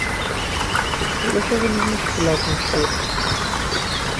Ulac aɣilif ma cewwleɣ-kent cwiṭ?